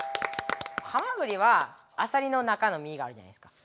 ハマグリはアサリの中の身があるじゃないですか